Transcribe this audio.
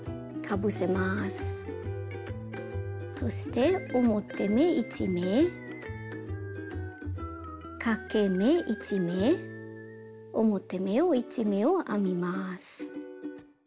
そして表目１目かけ目１目表目を１目を編みます。